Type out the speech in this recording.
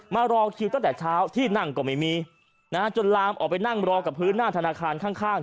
มารอคิวตั้งแต่เช้าที่นั่งก็ไม่มีนะฮะจนลามออกไปนั่งรอกับพื้นหน้าธนาคารข้าง